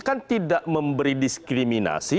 kan tidak memberi diskriminasi